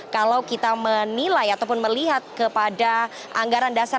kalau kita menilai ataupun melihat kepada anggaran dasar